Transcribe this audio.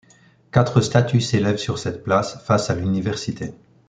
Quatre statues s'élèvent sur cette place, face à l'université.